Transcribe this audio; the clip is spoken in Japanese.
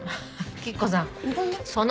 吉子さん